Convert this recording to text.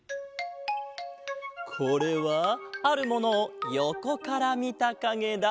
これはあるものをよこからみたかげだ。